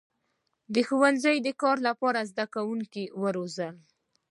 • ښوونځي د کار لپاره زدهکوونکي روزل.